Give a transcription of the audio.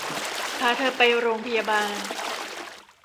พาเธอไปโรงพยาบาล